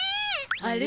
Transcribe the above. あれ？